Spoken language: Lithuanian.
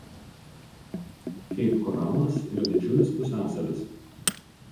Keip Koralas yra didžiulis pusiasalis.